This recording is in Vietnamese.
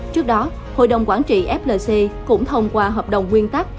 trước đó hội đồng quản trị flc cũng thông qua hợp đồng nguyên tắc